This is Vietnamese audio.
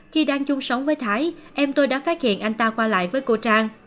khi đang chung sống với thái em tôi đã phát hiện anh ta qua lại với cô trang